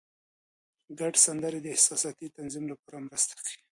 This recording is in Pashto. ګډ سندرې د احساساتي تنظیم لپاره مرسته کوي.